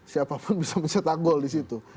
siapa pun bisa mencetak gol disitu